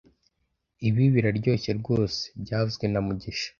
Ibi biraryoshe rwose byavuzwe na mugisha